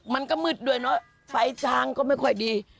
มันก็มืดด้วยเนอะไฟช้างก็ไม่ค่อยดี